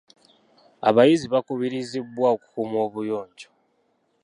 Abayizi bakubirizibwa okukuuma obuyonjo.